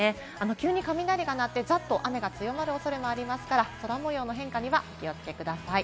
急に雷が鳴ってザッと雨が強まる恐れまりますから、空模様の変化にはお気をつけください。